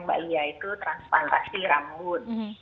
mbak iya itu transplantasi rambut